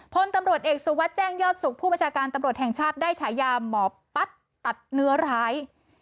พลตำรวจเอกสุวัสดิ์แจ้งยอดสุขผู้บัญชาการตำรวจแห่งชาติได้ฉายาหมอปั๊ดตัดเนื้อร้าย